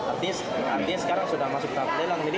artinya sekarang sudah masuk ke atas renang ini